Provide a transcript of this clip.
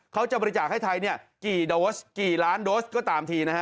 เขาจะบริจาคให้ไทยเนี่ยกี่ล้านโดสก็ตามทีนะฮะ